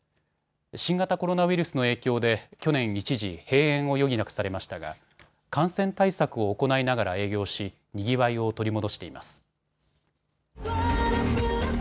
新型コロナウイルスの影響で去年一時閉園を余儀なくされましたが感染対策を行いながら営業し、にぎわいを取り戻しています。